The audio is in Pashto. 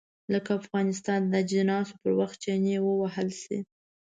لکه افغانستان د اجناسو پر وخت چنې ووهل شي.